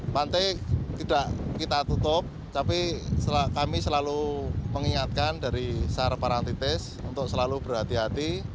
pantai tidak kita tutup tapi kami selalu mengingatkan dari sar parantitis untuk selalu berhati hati